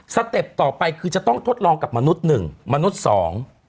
เต็ปต่อไปคือจะต้องทดลองกับมนุษย์หนึ่งมนุษย์สอง